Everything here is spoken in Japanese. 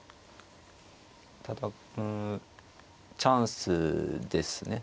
ただうんチャンスですね